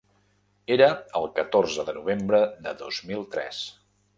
Era el catorze de novembre de dos mil tres.